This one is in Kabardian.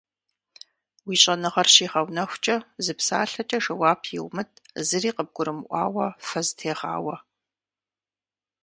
Уи щӏэныгъэр щигъэунэхукӏэ, зы псалъэкӏэ жэуап иумыт, зыри къыбгурмыӏуауэ фэ зытегъауэ.